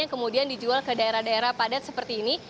yang kemudian dijual ke daerah daerah padat seperti ini